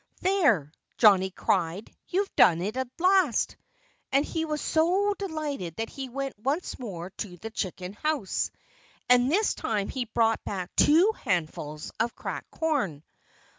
"There!" Johnnie cried. "You've done it at last!" And he was so delighted that he went once more to the chicken house. And this time he brought back two handfuls of cracked corn.